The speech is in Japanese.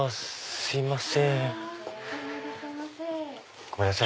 すいません。